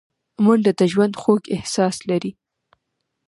منډه د ژوند خوږ احساس لري